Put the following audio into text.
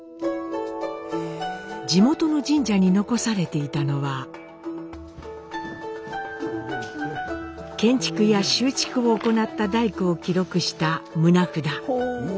地元の神社に残されていたのは建築や修築を行った大工を記録した棟札。